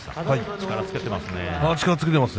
力をつけていますね。